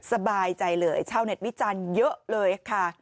สบายใจเลยชาวเน็ตวิจารณ์เยอะเลยค่ะ